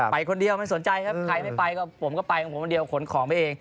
ไปคนเดียวไม่สนใจครับใครไม่ไปก็ผมก็ไปของผมคนเดียวขนของไปเอง